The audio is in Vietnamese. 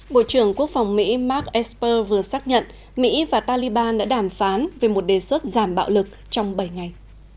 bộ trưởng quốc phòng mỹ mark esper vừa xác nhận mỹ và taliban đã đàm phán về một đề xuất giảm bạo lực trong bảy ngày